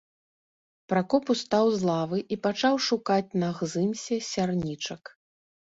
Пракоп устаў з лавы і пачаў шукаць на гзымсе сярнічак.